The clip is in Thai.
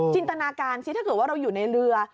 ตนาการซิถ้าเกิดว่าเราอยู่ในเรือ